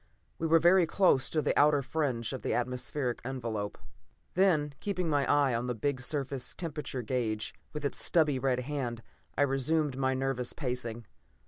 We were very close to the outer fringe of the atmospheric envelope. Then, keeping my eye on the big surface temperature gauge, with its stubby red hand, I resumed my nervous pacing.